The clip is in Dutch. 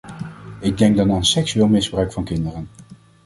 Ik denk dan aan seksueel misbruik van kinderen.